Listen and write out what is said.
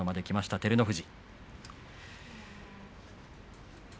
照ノ富士。